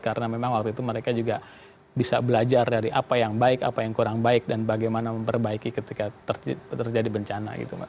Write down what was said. karena memang waktu itu mereka juga bisa belajar dari apa yang baik apa yang kurang baik dan bagaimana memperbaiki ketika terjadi bencana gitu